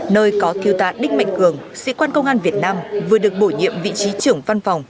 nơi có thiêu tá đích mạnh cường sĩ quan công an việt nam vừa được bổ nhiệm vị trí trưởng văn phòng